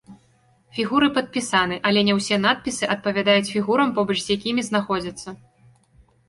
Фігуры падпісаны, але не ўсе надпісы адпавядаюць фігурам, побач з якімі знаходзяцца.